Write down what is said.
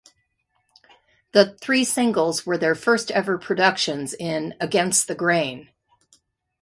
The three singles were their first ever productions in Against the Grain.